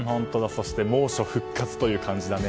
そして猛暑復活という感じだね。